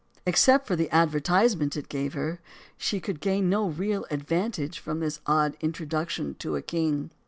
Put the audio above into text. Except for the advertisement it gave her, she could gain no real advantage from this odd introduction to a king.